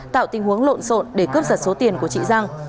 tạo tình huống lộn xộn để cướp giật số tiền của chị giang